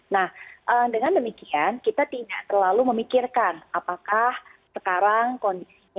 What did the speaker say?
nah dengan demikian kita tidak terlalu memikirkan apakah sekarang kondisinya